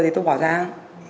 thì tôi bỏ ra ăn